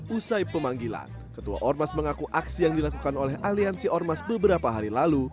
usai pemanggilan ketua ormas mengaku aksi yang dilakukan oleh aliansi ormas beberapa hari lalu